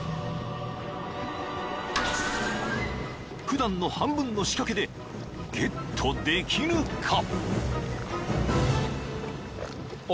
［普段の半分の仕掛けでゲットできるか？］